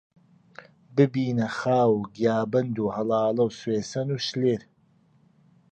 ببینە خاو و گیابەند و هەڵاڵە و سوێسن و شللێر